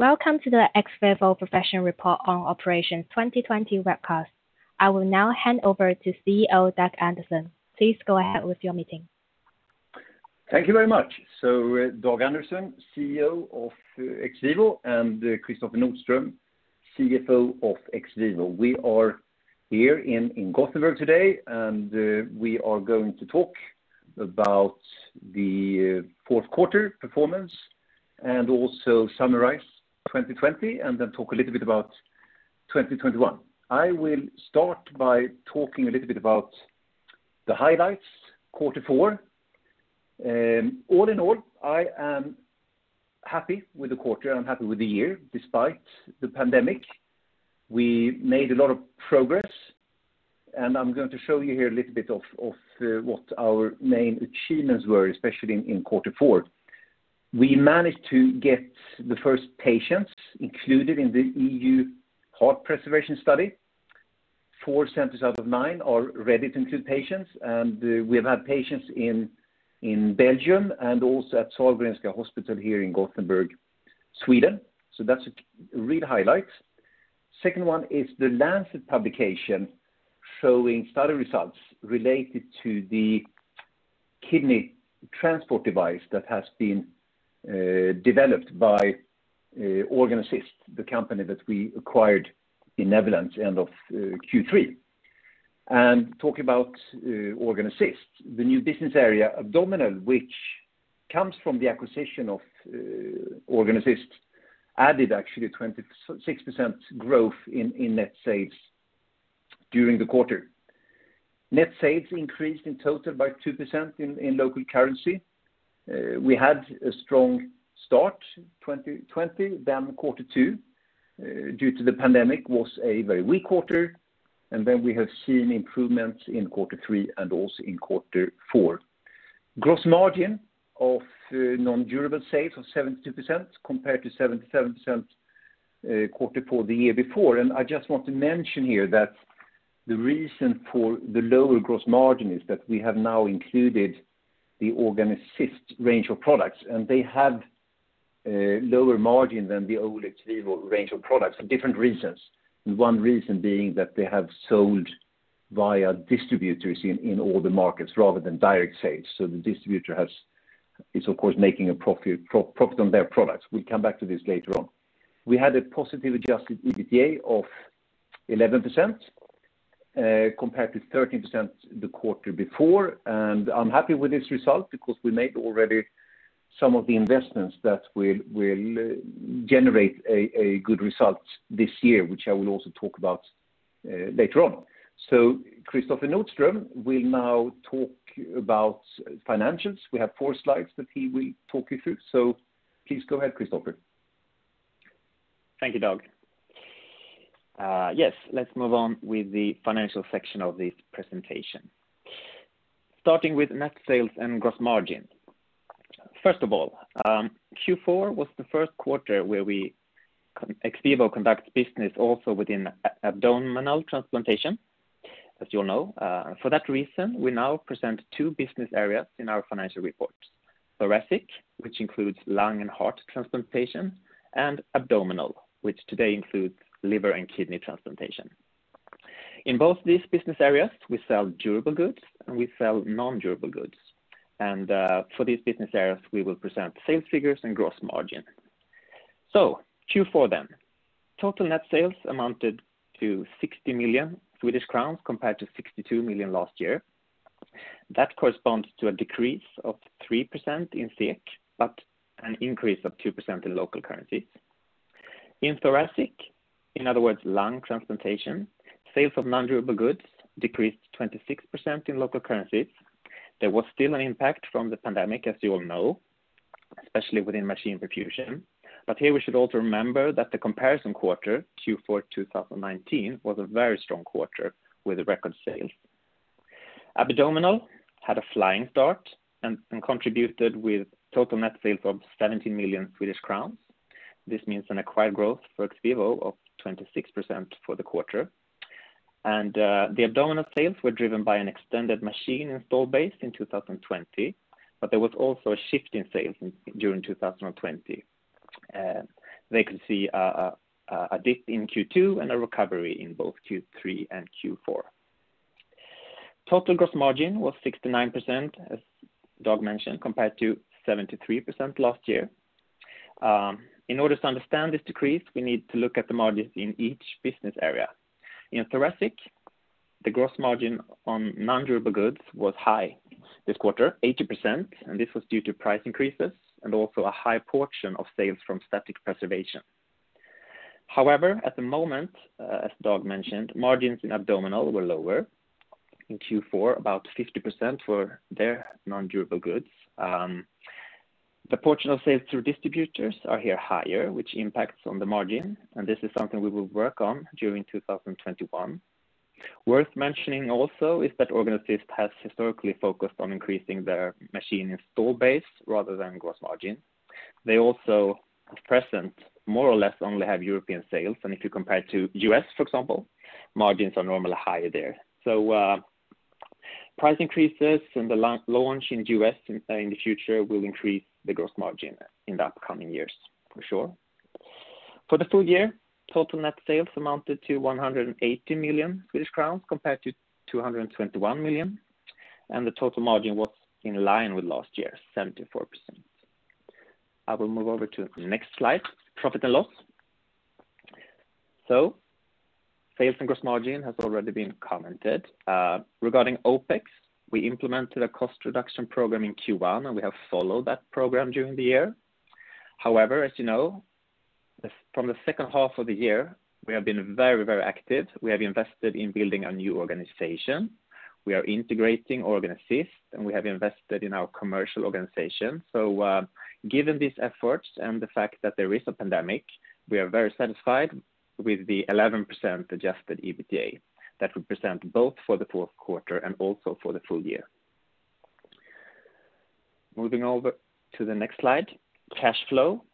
Welcome to the XVIVO Perfusion Report on Operations 2020 webcast. I will now hand over to CEO Dag Andersson. Please go ahead with your meeting. Thank you very much. Dag Andersson, CEO of XVIVO, and Kristoffer Nordström, CFO of XVIVO. We are here in Gothenburg today, and we are going to talk about the fourth quarter performance and also summarize 2020, and then talk a little bit about 2021. I will start by talking a little bit about the highlights quarter four. All in all, I am happy with the quarter. I'm happy with the year despite the pandemic. We made a lot of progress, and I'm going to show you here a little bit of what our main achievements were, especially in quarter four. We managed to get the first patients included in the EU heart preservation study. Four centers out of nine are ready to include patients, and we've had patients in Belgium and also at Sahlgrenska Hospital here in Gothenburg, Sweden. That's a real highlight. Second one is The Lancet publication showing study results related to the Kidney Assist Transport device that has been developed by Organ Assist, the company that we acquired in Groningen at end of Q3. Talking about Organ Assist, the new business area, Abdominal, which comes from the acquisition of Organ Assist, added actually 26% growth in net sales during the quarter. Net sales increased in total by 2% in local currency. We had a strong start 2020. Quarter two, due to the pandemic, was a very weak quarter, and then we have seen improvements in quarter three and also in quarter four. Gross margin of non-durable sales of 72% compared to 77% quarter four the year before. I just want to mention here that the reason for the lower gross margin is that we have now included the Organ Assist range of products, and they had lower margin than the old XVIVO range of products for different reasons. One reason being that they have sold via distributors in all the markets rather than direct sales. The distributor is, of course, making a profit on their products. We'll come back to this later on. We had a positive adjusted EBITDA of 11% compared to 13% the quarter before. I'm happy with this result because we made already some of the investments that will generate a good result this year, which I will also talk about later on. Kristoffer Nordström will now talk about financials. We have four slides that he will talk you through. Please go ahead, Kristoffer. Thank you, Dag. Let's move on with the financial section of this presentation. Starting with net sales and gross margin. First of all, Q4 was the first quarter where XVIVO conducts business also within abdominal transplantation, as you all know. For that reason, we now present two business areas in our financial reports. Thoracic, which includes lung and heart transplantation, and Abdominal, which today includes liver and kidney transplantation. In both these business areas, we sell durable goods, and we sell non-durable goods. For these business areas, we will present sales figures and gross margin. Q4. Total net sales amounted to 60 million Swedish crowns compared to 62 million last year. That corresponds to a decrease of 3% in SEK but an increase of 2% in local currency. In Thoracic, in other words, lung transplantation, sales of non-durable goods decreased 26% in local currencies. There was still an impact from the pandemic, as you all know, especially within machine perfusion. Here we should also remember that the comparison quarter, Q4 2019, was a very strong quarter with a record sale. Abdominal had a flying start and contributed with total net sales of 17 million Swedish crowns. This means an acquired growth for XVIVO of 26% for the quarter. The abdominal sales were driven by an extended machine install base in 2020, but there was also a shift in sales during 2020. They could see a dip in Q2 and a recovery in both Q3 and Q4. Total gross margin was 69%, as Dag mentioned, compared to 73% last year. In order to understand this decrease, we need to look at the margins in each business area. In thoracic, the gross margin on non-durable goods was high this quarter, 80%, and this was due to price increases and also a high portion of sales from static preservation. At the moment, as Dag mentioned, margins in abdominal were lower in Q4, about 50% for their non-durable goods. The portion of sales through distributors are here higher, which impacts on the margin, this is something we will work on during 2021. Worth mentioning also is that Organ Assist has historically focused on increasing their machine install base rather than gross margin. They also at present more or less only have European sales. If you compare to U.S., for example, margins are normally higher there. Price increases and the launch in U.S. in the future will increase the gross margin in the upcoming years for sure. For the full year, total net sales amounted to 180 million Swedish crowns compared to 221 million. The total margin was in line with last year, 74%. I will move over to the next slide, profit and loss. Sales and gross margin has already been commented. Regarding OpEx, we implemented a cost reduction program in Q1. We have followed that program during the year. However, as you know, from the second half of the year, we have been very active. We have invested in building a new organization. We are integrating Organ Assist. We have invested in our commercial organization. Given these efforts and the fact that there is a pandemic, we are very satisfied with the 11% adjusted EBITDA. That represent both for the fourth quarter and also for the full year. Moving over to the next slide, cash flow.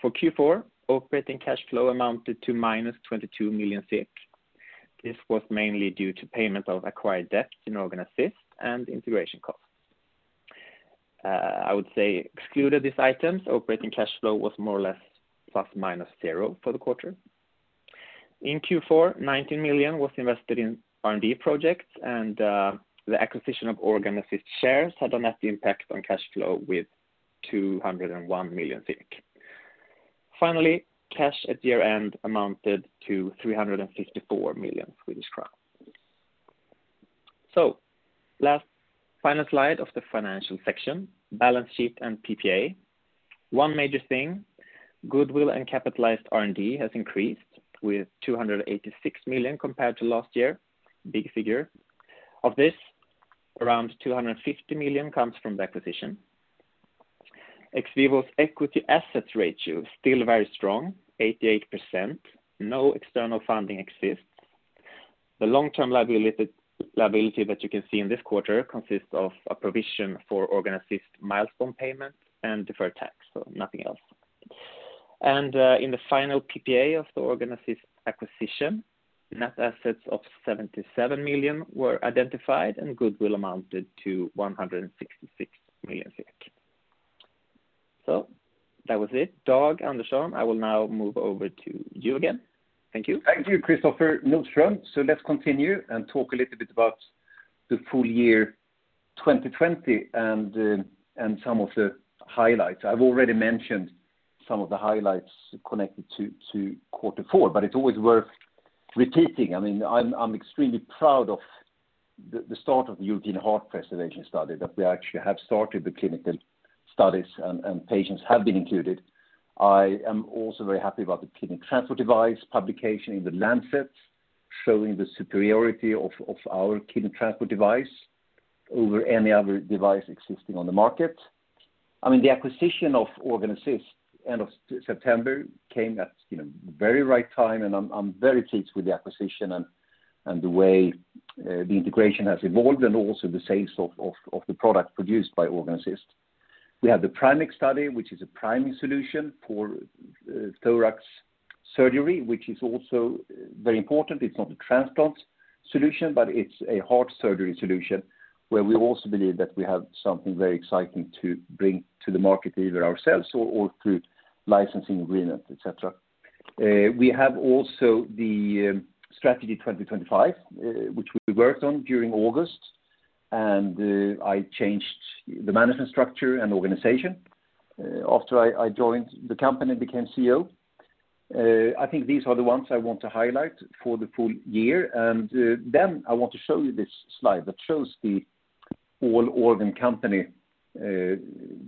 For Q4, operating cash flow amounted to minus 22 million. This was mainly due to payment of acquired debt in Organ Assist and integration costs. I would say excluded these items, operating cash flow was more or less plus minus zero for the quarter. In Q4, 19 million was invested in R&D projects, the acquisition of Organ Assist shares had a net impact on cash flow with 201 million. Finally, cash at year-end amounted to 354 million Swedish crowns. Final slide of the financial section, balance sheet and PPA. One major thing, goodwill and capitalized R&D has increased with 286 million compared to last year. Big figure. Of this, around 250 million comes from the acquisition. XVIVO's equity assets ratio still very strong, 88%. No external funding exists. The long-term liability that you can see in this quarter consists of a provision for Organ Assist milestone payments and deferred tax, nothing else. In the final PPA of the Organ Assist acquisition, net assets of 77 million were identified and goodwill amounted to 166 million. That was it. Dag Andersson, I will now move over to you again. Thank you. Thank you, Kristoffer Nordström. Let's continue and talk a little bit about the full year 2020 and some of the highlights. I've already mentioned some of the highlights connected to quarter four, but it's always worth repeating. I'm extremely proud of the start of the uterine heart preservation study, that we actually have started the clinical studies and patients have been included. I am also very happy about the Kidney Assist Transport publication in The Lancet, showing the superiority of our Kidney Assist Transport over any other device existing on the market. The acquisition of Organ Assist end of September came at the very right time, and I'm very pleased with the acquisition and the way the integration has evolved and also the sales of the product produced by Organ Assist. We have the PrimECC study, which is a priming solution for thoracic surgery, which is also very important. It's not a transplant solution, but it's a heart surgery solution where we also believe that we have something very exciting to bring to the market, either ourselves or through licensing agreements, et cetera. We have also the Strategy 2025, which we worked on during August. I changed the management structure and organization after I joined the company, became CEO. I think these are the ones I want to highlight for the full year. I want to show you this slide that shows the all organ company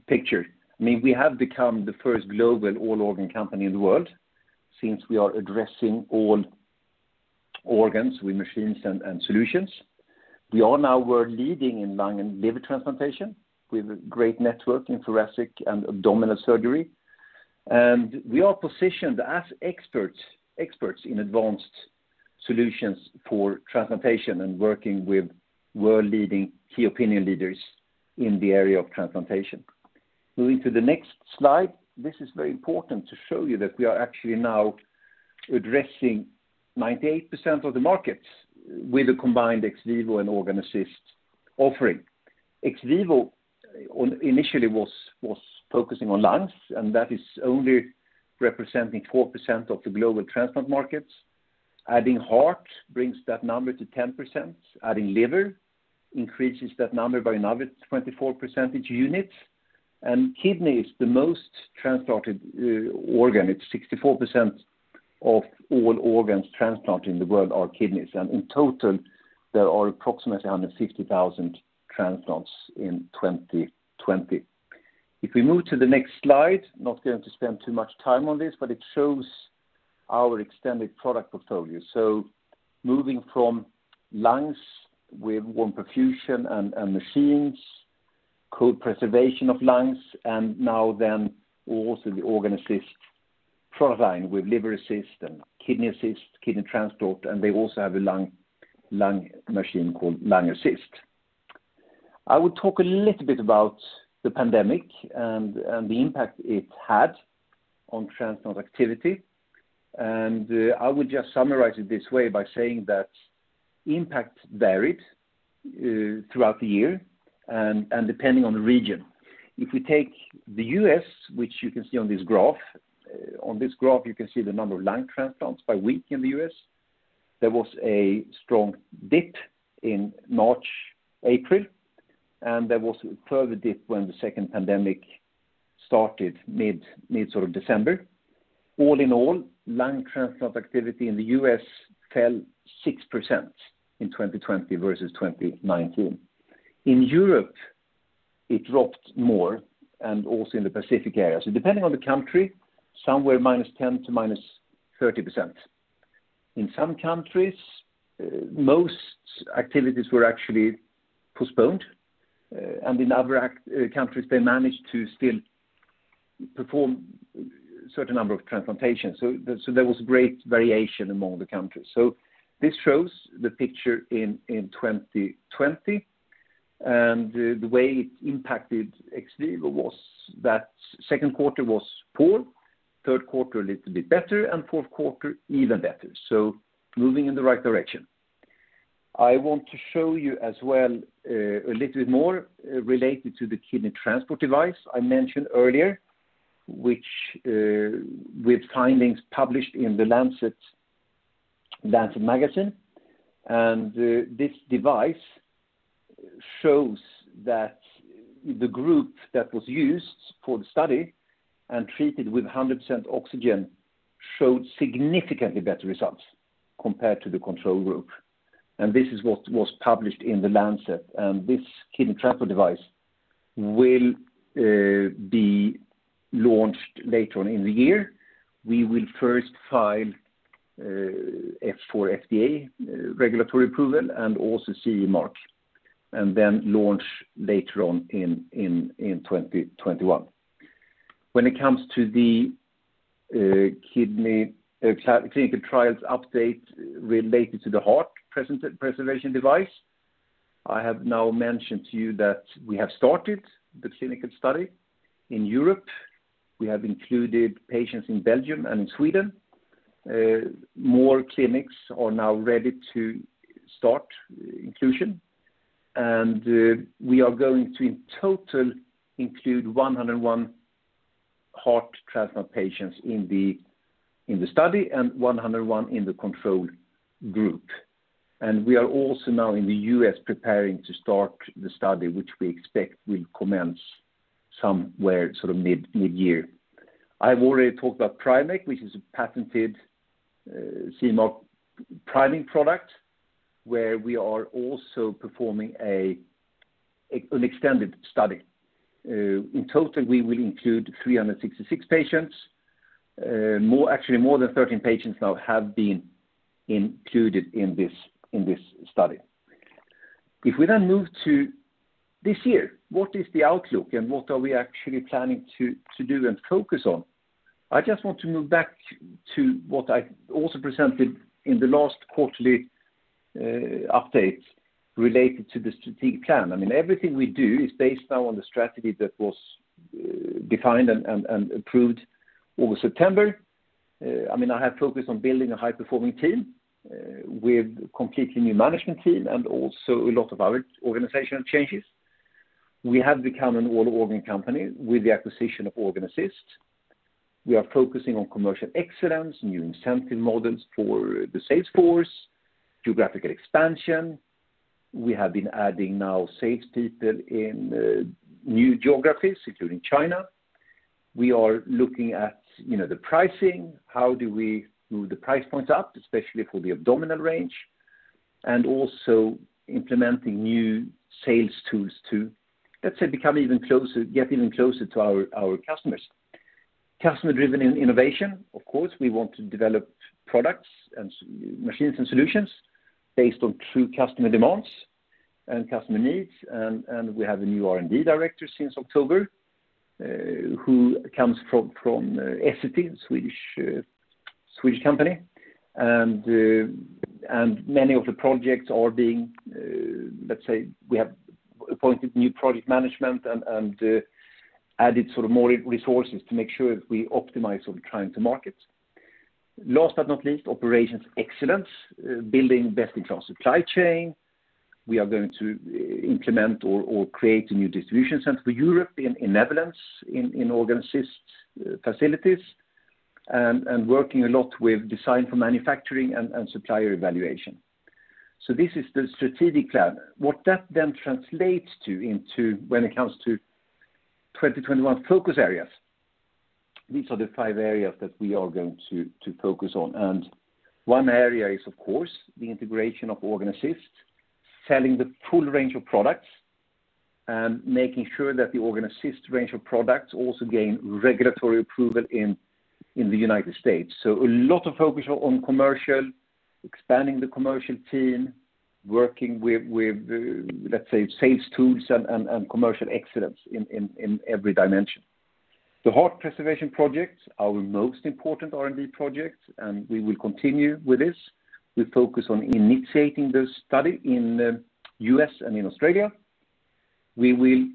picture. We have become the first global all organ company in the world since we are addressing all organs with machines and solutions. We are now world-leading in lung and liver transplantation with a great network in thoracic and abdominal surgery. We are positioned as experts in advanced solutions for transplantation and working with world-leading key opinion leaders in the area of transplantation. Moving to the next slide. This is very important to show you that we are actually now addressing 98% of the markets with a combined XVIVO and Organ Assist offering. XVIVO initially was focusing on lungs, and that is only representing 4% of the global transplant markets. Adding heart brings that number to 10%. Adding liver increases that number by another 24 percentage units. Kidney is the most transplanted organ. 64% of all organs transplanted in the world are kidneys. In total, there are approximately 150,000 transplants in 2020. If we move to the next slide, not going to spend too much time on this, but it shows our extended product portfolio. Moving from lungs with warm perfusion and machines, cold preservation of lungs and now then also the Organ Assist product line with Liver Assist and Kidney Assist, Kidney Assist Transport, and they also have a lung machine called Lung Assist. I will talk a little bit about the pandemic and the impact it had on transplant activity. I would just summarize it this way by saying that impact varied throughout the year and depending on the region. If we take the U.S., which you can see on this graph. On this graph, you can see the number of lung transplants by week in the U.S. There was a strong dip in March, April, and there was a further dip when the second pandemic started mid-December. All in all, lung transplant activity in the U.S. fell 6% in 2020 versus 2019. In Europe, it dropped more, and also in the Pacific area. Depending on the country, somewhere -10% to -30%. In some countries, most activities were actually postponed. In other countries, they managed to still perform a certain number of transplantations. There was great variation among the countries. This shows the picture in 2020. The way it impacted XVIVO was that second quarter was poor, third quarter a little bit better, and fourth quarter even better. Moving in the right direction. I want to show you as well, a little bit more related to the Kidney Assist Transport I mentioned earlier, with findings published in The Lancet. This device shows that the group that was used for the study and treated with 100% oxygen showed significantly better results compared to the control group. This is what was published in The Lancet. This kidney transport device will be launched later on in the year. We will first file for FDA regulatory approval and also CE mark, then launch later on in 2021. When it comes to the clinical trials update related to the heart preservation device, I have now mentioned to you that we have started the clinical study in Europe. We have included patients in Belgium and in Sweden. More clinics are now ready to start inclusion, we are going to, in total, include 101 heart transplant patients in the study and 101 in the control group. We are also now in the U.S. preparing to start the study, which we expect will commence somewhere mid-year. I've already talked about PrimECC, which is a patented CE mark priming product, where we are also performing an extended study. In total, we will include 366 patients. Actually more than 13 patients now have been included in this study. If we move to this year, what is the outlook and what are we actually planning to do and focus on? I just want to move back to what I also presented in the last quarterly update related to the strategic plan. Everything we do is based now on the Strategy that was defined and approved over September. I have focused on building a high-performing team with a completely new management team and also a lot of other organizational changes. We have become an all-organ company with the acquisition of Organ Assist. We are focusing on commercial excellence, new incentive models for the sales force, geographical expansion. We have been adding now sales people in new geographies, including China. We are looking at the pricing, how do we move the price points up, especially for the abdominal range, and also implementing new sales tools to, let's say, get even closer to our customers. Customer-driven innovation. Of course, we want to develop products and machines and solutions based on true customer demands and customer needs. We have a new R&D director since October who comes from Essity, a Swedish company. Many of the projects are being, let's say, we have appointed new project management and added more resources to make sure that we optimize on time to market. Last but not least, operations excellence, building best-in-class supply chain. We are going to implement or create a new distribution center for Europe in Netherlands in Organ Assist facilities. Working a lot with design for manufacturing and supplier evaluation. This is the strategic plan. What that translates to when it comes to 2021 focus areas, these are the five areas that we are going to focus on. One area is, of course, the integration of Organ Assist, selling the full range of products and making sure that the Organ Assist range of products also gain regulatory approval in the U.S. A lot of focus on expanding the commercial team, working with, let's say, sales tools and commercial excellence in every dimension. The heart preservation projects are our most important R&D projects, and we will continue with this. We focus on initiating the study in the U.S. and in Australia. We will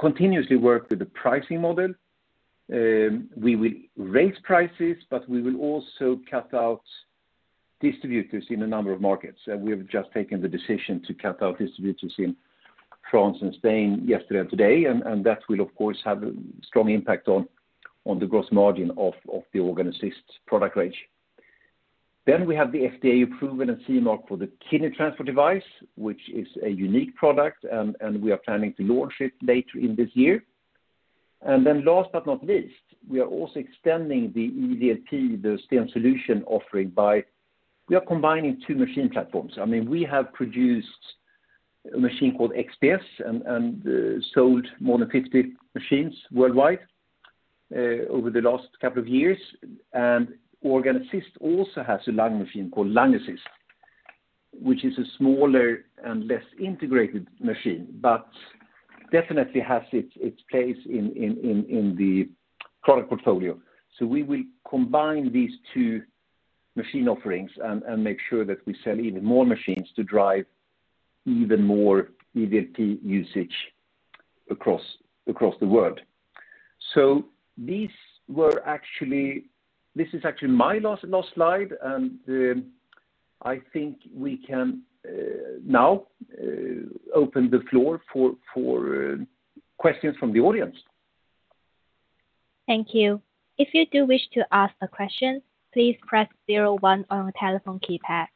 continuously work with the pricing model. We will raise prices, but we will also cut out distributors in a number of markets. We have just taken the decision to cut out distributors in France and Spain yesterday and today, and that will, of course, have a strong impact on the gross margin of the Organ Assist product range. We have the FDA approval and CE mark for the Kidney Assist Transport, which is a unique product, and we are planning to launch it later in this year. Last but not least, we are also extending the EVLP, the STEEN Solution offering. We are combining two machine platforms. We have produced a machine called XPS and sold more than 50 machines worldwide over the last couple of years. Organ Assist also has a lung machine called Lung Assist, which is a smaller and less integrated machine, but definitely has its place in the product portfolio. We will combine these two machine offerings and make sure that we sell even more machines to drive even more EVLP usage across the world. This is actually my last slide, and I think we can now open the floor for questions from the audience. Thank you. If you do wish to ask a question, please press zero one on your telephone keypad.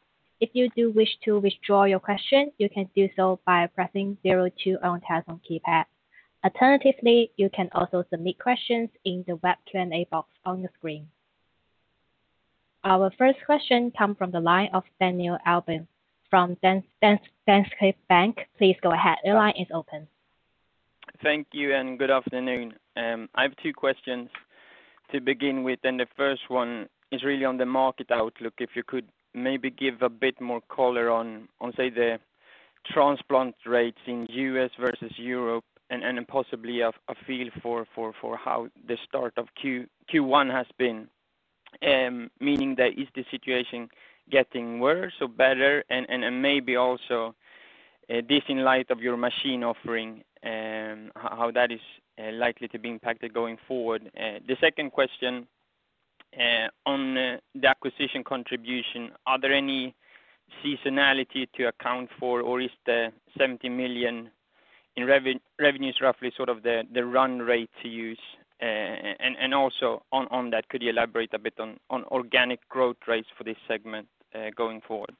If you do wish to withdraw your question, you can do so by pressing zero two on the telephone keypad. Alternatively, you can also submit questions in the web Q&A box on the screen. Our first question comes from the line of Daniel Albin from Danske Bank. Thank you, and good afternoon. I have two questions to begin with. The first one is really on the market outlook. If you could maybe give a bit more color on, say, the transplant rates in the U.S. versus Europe and possibly a feel for how the start of Q1 has been. Meaning that, is the situation getting worse or better? Maybe also this in light of your machine offering and how that is likely to be impacted going forward. The second question on the acquisition contribution, are there any seasonality to account for, or is the 70 million in revenues roughly sort of the run rate to use? Also on that, could you elaborate a bit on organic growth rates for this segment going forward?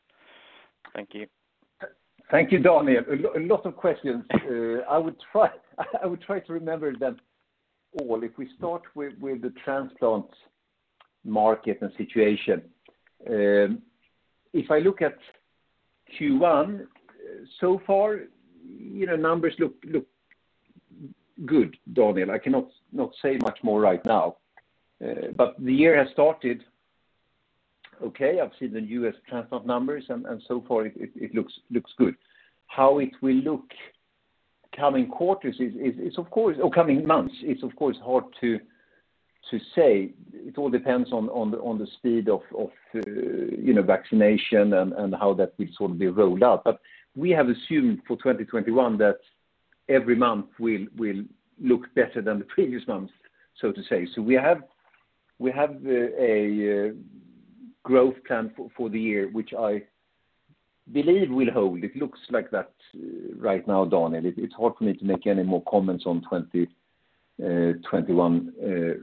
Thank you. Thank you, Daniel. A lot of questions. I will try to remember them all. We start with the transplant market and situation. I look at Q1 so far, numbers look good, Daniel. I cannot say much more right now. The year has started okay. I've seen the U.S. transplant numbers, and so far, it looks good. How it will look coming quarters, or coming months, is, of course, hard to say. It all depends on the speed of vaccination and how that will sort of be rolled out. We have assumed for 2021 that every month will look better than the previous month, so to say. We have a growth plan for the year, which I believe will hold. It looks like that right now, Daniel. It's hard for me to make any more comments on 2021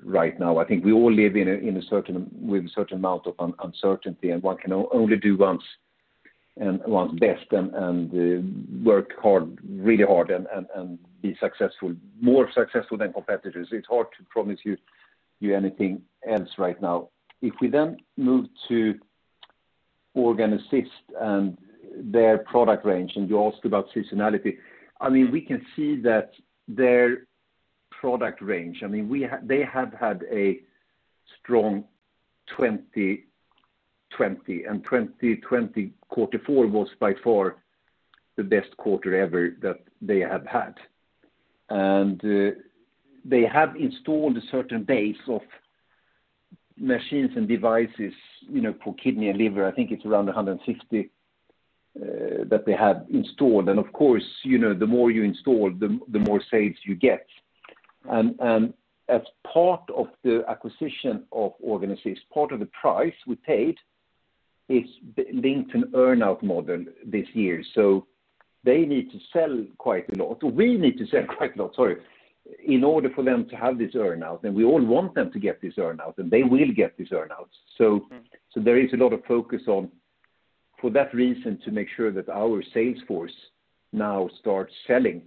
right now. I think we all live with a certain amount of uncertainty, and one can only do one's best and work hard, really hard, and be successful, more successful than competitors. It's hard to promise you anything else right now. If we then move to Organ Assist and their product range, and you asked about seasonality. We can see that their product range, they have had a strong 2020, and 2020 quarter four was by far the best quarter ever that they have had. They have installed a certain base of machines and devices for kidney and liver. I think it's around 160 that they have installed. Of course, the more you install, the more sales you get. As part of the acquisition of Organ Assist, part of the price we paid is linked to an earn-out model this year. They need to sell quite a lot. We need to sell quite a lot, sorry, in order for them to have this earn-out, and we all want them to get this earn-out, and they will get this earn-out. There is a lot of focus on, for that reason, to make sure that our sales force now starts selling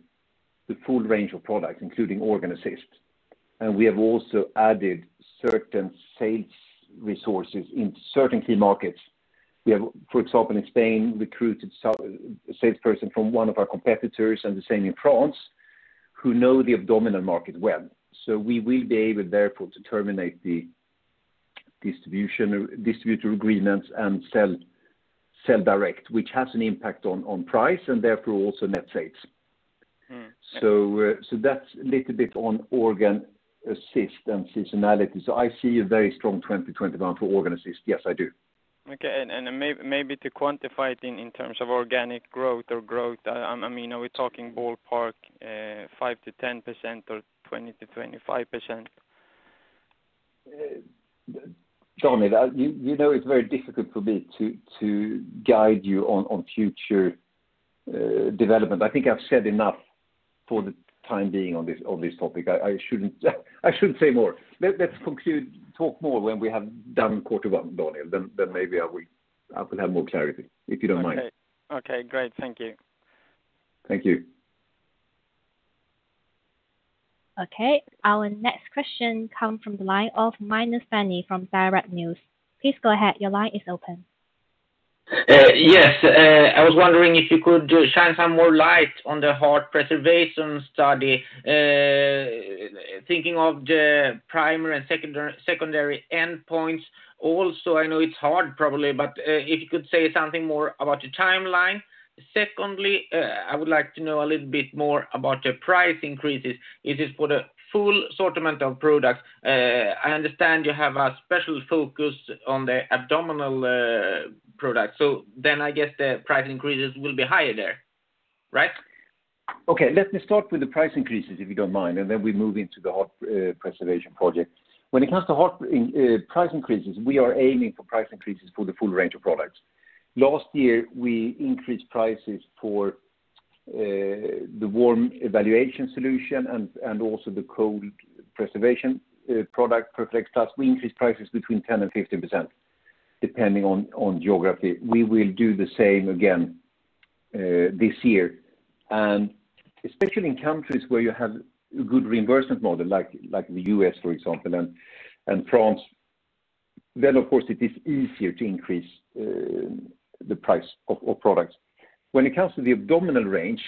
the full range of products, including Organ Assist. We have also added certain sales resources in certain key markets. We have, for example, in Spain, recruited a salesperson from one of our competitors, and the same in France, who know the abdominal market well. We will be able, therefore, to terminate the distributor agreements and sell direct, which has an impact on price, and therefore, also net sales. That's a little bit on Organ Assist and seasonality. I see a very strong 2021 for Organ Assist. Yes, I do. Okay. Maybe to quantify it in terms of organic growth or growth. Are we talking ballpark 5%-10% or 20%-25%? Johnny, you know it's very difficult for me to guide you on future development. I think I've said enough for the time being on this topic. I shouldn't say more. Let's conclude, talk more when we have done quarter one, Johnny, then maybe I will have more clarity, if you don't mind. Okay, great. Thank you. Thank you. Okay, our next question comes from the line of Magnus Widebeck from Fanny Gleiss. Please go ahead. Your line is open. Yes. I was wondering if you could shine some more light on the heart preservation study. Thinking of the primary and secondary endpoints. I know it's hard probably, but if you could say something more about the timeline. Secondly, I would like to know a little bit more about the price increases. Is this for the full assortment of products? I understand you have a special focus on the abdominal products. I guess the price increases will be higher there, right? Okay. Let me start with the price increases, if you don't mind, we move into the heart preservation project. When it comes to heart price increases, we are aiming for price increases for the full range of products. Last year, we increased prices for the warm evaluation solution and also the cold preservation product, Perfadex. We increased prices between 10% and 15%, depending on geography. We will do the same again this year, especially in countries where you have a good reimbursement model like the U.S., for example, and France. Of course, it is easier to increase the price of products. When it comes to the abdominal range,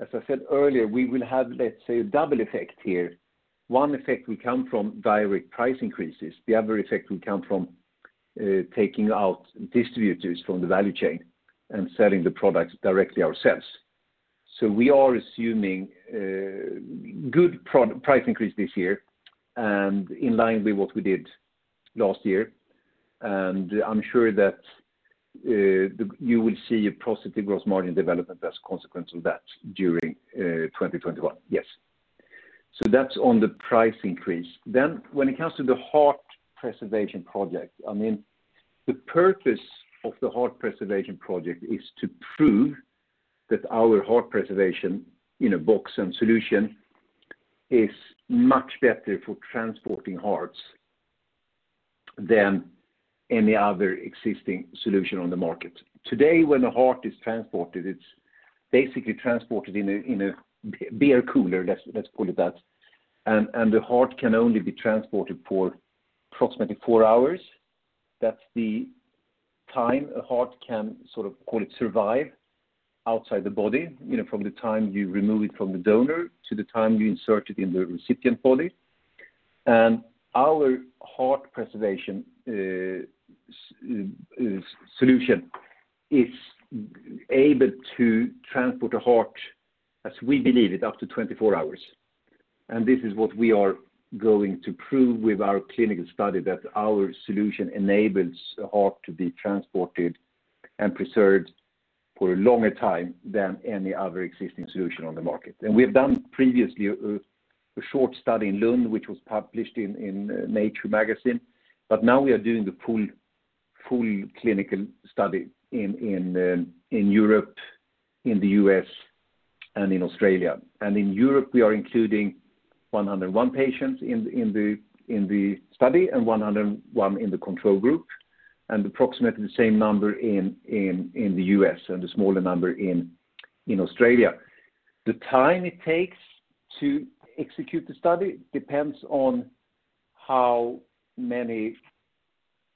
as I said earlier, we will have, let's say, a double effect here. One effect will come from direct price increases. The other effect will come from taking out distributors from the value chain and selling the products directly ourselves. We are assuming good price increase this year and in line with what we did last year. I'm sure that you will see a positive gross margin development as a consequence of that during 2021. Yes. That's on the price increase. When it comes to the heart preservation project, the purpose of the heart preservation project is to prove that our heart preservation in a box and solution is much better for transporting hearts than any other existing solution on the market. Today, when a heart is transported, it's basically transported in a beer cooler, let's call it that. The heart can only be transported for approximately four hours. That's the time a heart can sort of, call it, survive outside the body from the time you remove it from the donor to the time you insert it in the recipient body. Our heart preservation solution is able to transport a heart, as we believe it, up to 24 hours. This is what we are going to prove with our clinical study, that our solution enables a heart to be transported and preserved for a longer time than any other existing solution on the market. We have done previously a short study in Lund, which was published in "Nature" magazine. Now we are doing the full clinical study in Europe, in the U.S., and in Australia. In Europe, we are including 101 patients in the study and 101 in the control group, and approximately the same number in the U.S., and a smaller number in Australia. The time it takes to execute the study depends on how many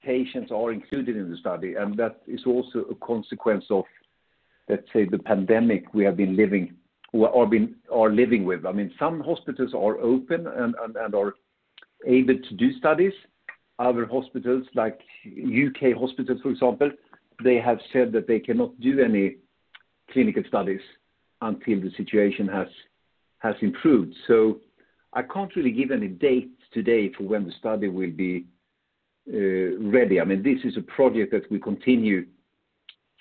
patients are included in the study, and that is also a consequence of, let's say, the pandemic we are living with. Some hospitals are open and are able to do studies. Other hospitals, like U.K. hospitals, for example, they have said that they cannot do any clinical studies until the situation has improved. I can't really give any date today for when the study will be ready. This is a project that we continue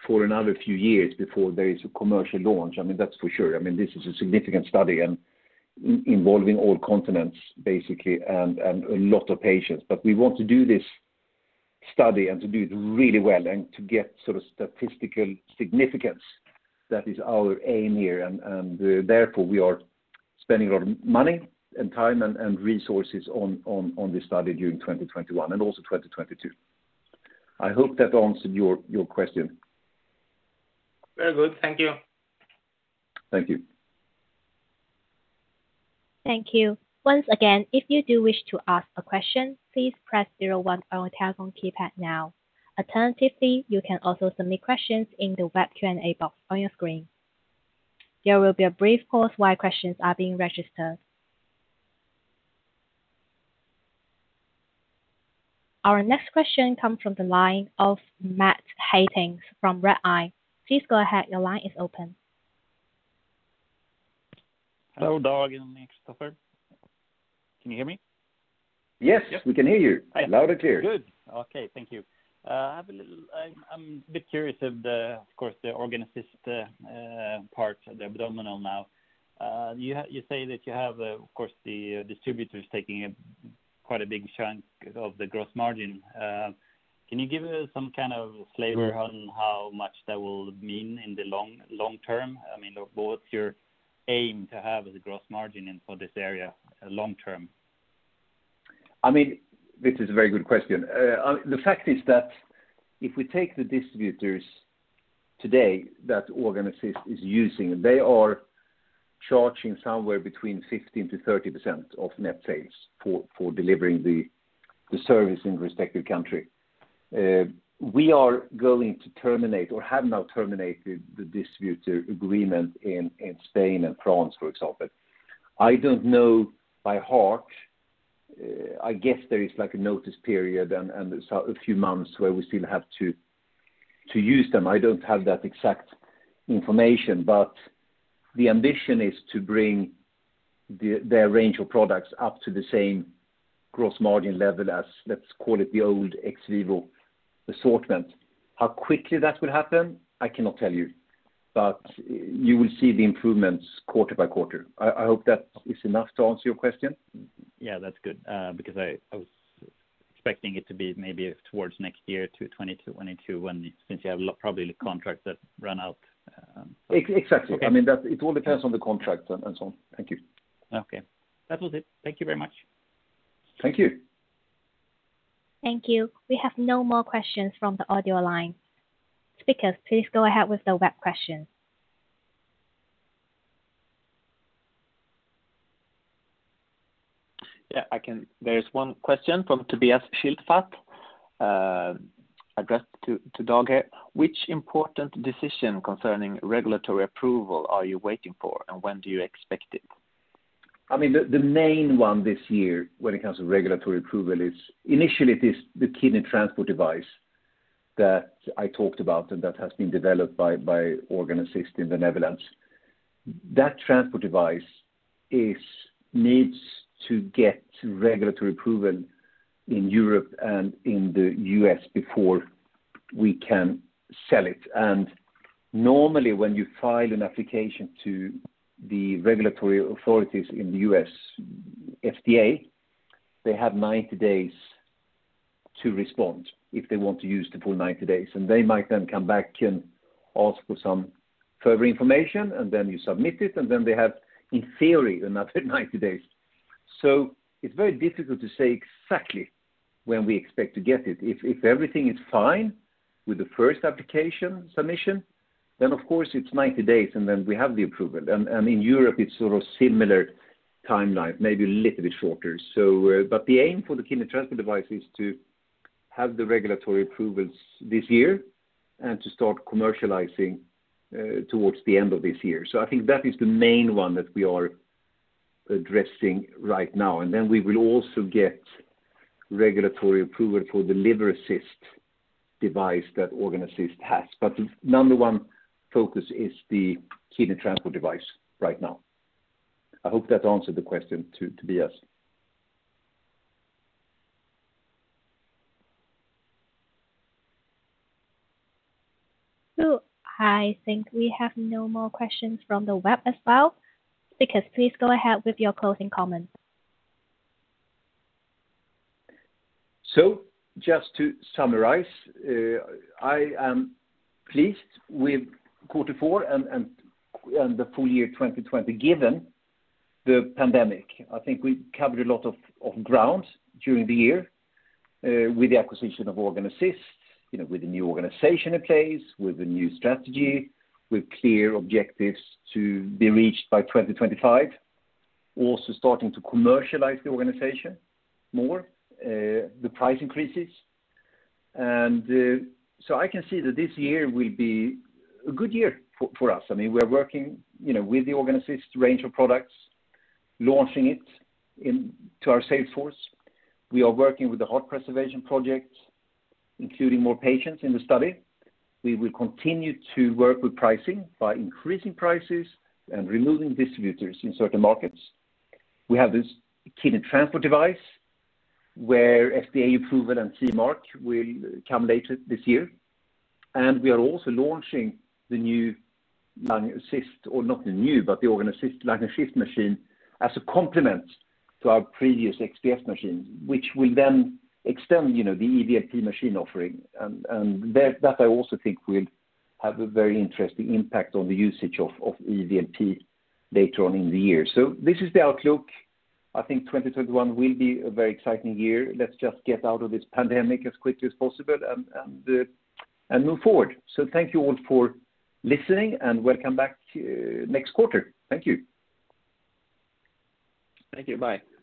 for another few years before there is a commercial launch. That's for sure. This is a significant study and involving all continents, basically, and a lot of patients. We want to do this study and to do it really well and to get sort of statistical significance. That is our aim here. Therefore, we are spending a lot of money and time and resources on this study during 2021 and also 2022. I hope that answered your question. Very good. Thank you. Thank you. Thank you. Once again, if you do wish to ask a question, please press zero one on your telephone keypad now. Alternatively, you can also submit questions in the web Q&A box on your screen. There will be a brief pause while questions are being registered. Our next question comes from the line of Mats Hyttinge from Redeye. Please go ahead. Your line is open. Hello, Dag and Kristoffer. Can you hear me? Yes, we can hear you loud and clear. Good. Okay. Thank you. I'm a bit curious of the, of course, the Organ Assist part, the abdominal now. You say that you have, of course, the distributors taking quite a big chunk of the gross margin. Can you give some kind of flavor on how much that will mean in the long term? What's your aim to have as a gross margin for this area long term? This is a very good question. The fact is that if we take the distributors today that Organ Assist is using, they are charging somewhere between 15%-30% of net sales for delivering the service in respective country. We are going to terminate or have now terminated the distributor agreement in Spain and France, for example. I don't know by heart. I guess there is a notice period and a few months where we still have to use them. I don't have that exact information. The ambition is to bring their range of products up to the same gross margin level as let's call it the old ex vivo assortment. How quickly that will happen, I cannot tell you, but you will see the improvements quarter by quarter. I hope that is enough to answer your question. Yeah, that's good. I was expecting it to be maybe towards next year to 2022, when since you have probably contracts that run out. Exactly. Okay. It all depends on the contract and so on. Thank you. Okay. That was it. Thank you very much. Thank you. Thank you. We have no more questions from the audio line. Speakers, please go ahead with the web questions. Yeah. There is one question from Tobias Schildfat addressed to Dag. Which important decision concerning regulatory approval are you waiting for, and when do you expect it? The main one this year when it comes to regulatory approval is initially it is the kidney transport device that I talked about that has been developed by Organ Assist in the Netherlands. That transport device needs to get regulatory approval in Europe and in the U.S. before we can sell it. Normally, when you file an application to the regulatory authorities in the U.S. FDA, they have 90 days to respond if they want to use the full 90 days, they might then come back and ask for some further information, then you submit it, then they have, in theory, another 90 days. It's very difficult to say exactly when we expect to get it. If everything is fine with the first application submission, then of course it's 90 days, then we have the approval. In Europe it's sort of similar timeline, maybe a little bit shorter. The aim for the Kidney Assist Transport device is to have the regulatory approvals this year and to start commercializing towards the end of this year. I think that is the main one that we are addressing right now. We will also get regulatory approval for the Liver Assist device that Organ Assist has. The number one focus is the Kidney Assist Transport device right now. I hope that answered the question to Tobias. I think we have no more questions from the web as well. Speakers, please go ahead with your closing comments. Just to summarize, I am pleased with quarter four and the full year 2020, given the pandemic. I think we covered a lot of ground during the year with the acquisition of Organ Assist, with the new organization in place, with the new Strategy, with clear objectives to be reached by 2025. Starting to commercialize the organization more, the price increases. I can see that this year will be a good year for us. We're working with the Organ Assist range of products, launching it to our sales force. We are working with the heart preservation project, including more patients in the study. We will continue to work with pricing by increasing prices and removing distributors in certain markets. We have this kidney transport device where FDA approval and CE mark will come later this year. We are also launching the new Lung Assist, or not the new, but the Organ Assist Lung Assist machine as a complement to our previous XPS machine, which will then extend the EVLP machine offering. That I also think will have a very interesting impact on the usage of EVLP later on in the year. This is the outlook. I think 2021 will be a very exciting year. Let's just get out of this pandemic as quickly as possible and move forward. Thank you all for listening, and welcome back next quarter. Thank you. Thank you. Bye. Thank you.